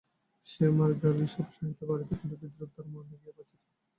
সে মার গালি সব সহিতে পারিত, কিন্তু বিদ্রুপ তার মর্মে গিয়া বাজিত।